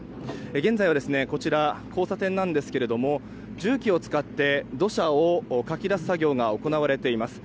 現在、こちらの交差点ですが重機を使って土砂をかき出す作業が行われています。